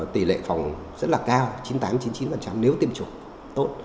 tỷ lệ phòng rất là cao chín mươi tám chín mươi chín nếu tiêm chủng tốt